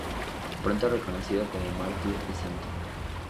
Pronto reconocido como mártir y santo.